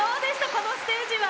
このステージは。